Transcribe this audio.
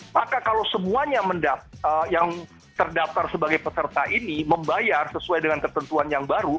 maka kalau semuanya yang terdaftar sebagai peserta ini membayar sesuai dengan ketentuan yang baru